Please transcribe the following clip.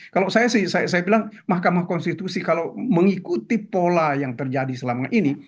kalau saya sih saya bilang mahkamah konstitusi kalau mengikuti pola yang terjadi selama ini